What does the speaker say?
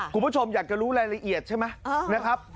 คุณผู้ชมอยากจะรู้รายละเอียดใช่ไหมนะครับ